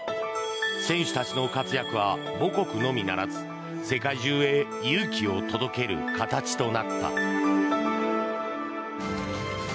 選手たちの活躍は母国のみならず世界中へ勇気を届ける形となった。